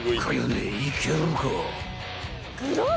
姉いけるか？］